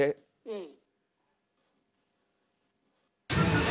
うん。